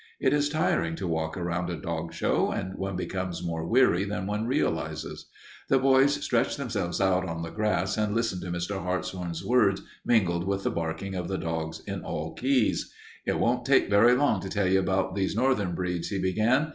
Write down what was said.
It is tiring to walk around a dog show and one becomes more weary than one realizes. The boys stretched themselves out on the grass and listened to Mr. Hartshorn's words mingled with the barking of the dogs in all keys. "It won't take very long to tell about these northern breeds," he began.